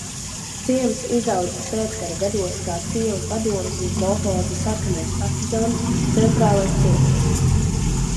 "Ciems izaudzis pēckara gados kā ciema padomes un kolhoza "Sarkanais partizāns" centrālais ciemats."